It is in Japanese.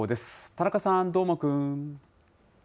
田中さん、どーもくん。